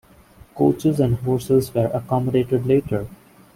Coaches and horses were accommodated later.